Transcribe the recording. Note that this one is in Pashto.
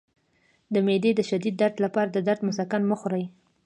د معدې د شدید درد لپاره د درد مسکن مه خورئ